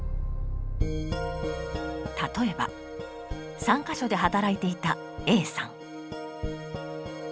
例えば３か所で働いていたＡさん。